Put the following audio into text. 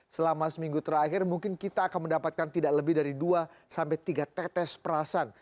selama seminggu terakhir mungkin kita akan mendapatkan tidak lebih dari dua sampai tiga tetes perasan